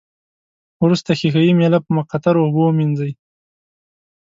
وروسته ښيښه یي میله په مقطرو اوبو ومینځئ.